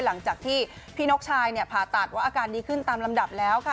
หลังจากที่พี่นกชายผ่าตัดว่าอาการดีขึ้นตามลำดับแล้วค่ะ